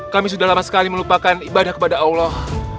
kami sudah lama sekali melupakan ibadah kepada allah